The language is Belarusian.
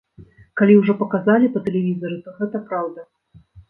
Калі ўжо паказалі па тэлевізары, то гэта праўда!